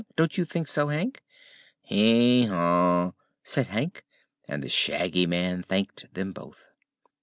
Don't you think so, Hank?" "Hee haw!" said Hank, and the Shaggy Man thanked them both.